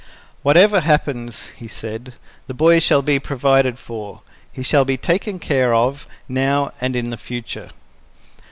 "Whatever happens," he said, "the boy shall be provided for. He shall be taken care of, now and in the future."